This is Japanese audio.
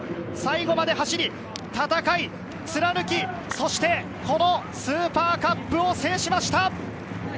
最後まで走り、戦い、貫き、そしてこのスーパーカップを制しました。